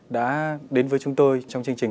đã đến với chúng tôi trong chương trình